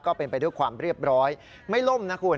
ก็เป็นไปด้วยความเรียบร้อยไม่ล่มนะคุณ